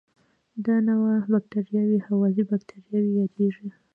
دا نوعه بکټریاوې هوازی باکتریاوې یادیږي.